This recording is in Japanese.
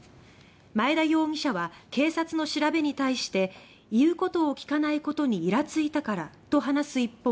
前田容疑者は警察の調べに対し「言うことを聞かないことにイラついたから」と話す一方